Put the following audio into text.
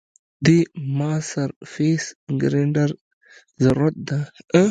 دې ما سرفېس ګرېنډر ضرورت ده